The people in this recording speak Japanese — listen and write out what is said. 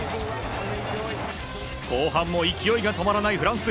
後半も勢いが止まらないフランス。